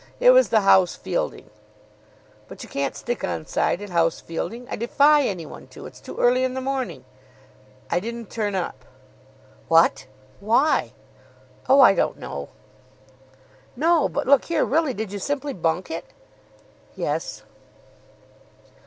"It was the house fielding." "But you can't stick on side at house fielding. I defy any one to. It's too early in the morning." "I didn't turn up." "What! Why?" "Oh, I don't know." "No, but, look here, really. Did you simply bunk it?" "Yes."